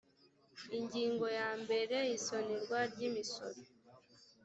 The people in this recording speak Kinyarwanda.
ingingo ya mbere isonerwa ry imisoro